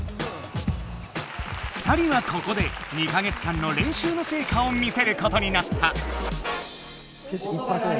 ２人はここで２か月間の練習の成果を見せることになった！